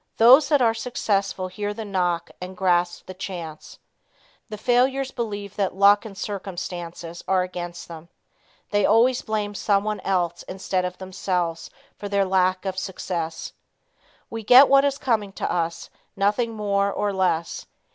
Those that are successful hear the knock and grasp the chance. The failures believe that luck and circumstances are against them. They always blame someone else instead of themselves for their lack of success. We get what is coming to us, nothing more or less.